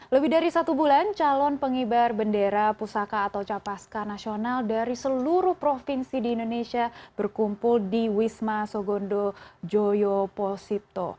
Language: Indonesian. lebih dari satu bulan calon pengibar bendera pusaka atau capaska nasional dari seluruh provinsi di indonesia berkumpul di wisma sogondo joyo posito